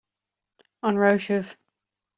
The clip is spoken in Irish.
An raibh sibh